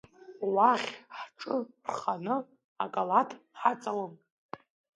Уахь ҳҿы рханы акалаҭ ҳаҵалон…